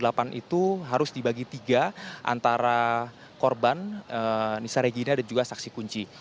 delapan itu harus dibagi tiga antara korban nisa regina dan juga saksi kunci